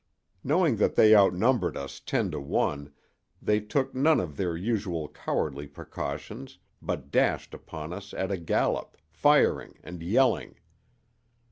Knowing that they outnumbered us ten to one, they took none of their usual cowardly precautions, but dashed upon us at a gallop, firing and yelling.